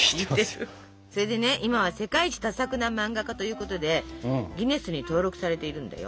それで今は世界一多作な漫画家ということでギネスに登録されているんだよ。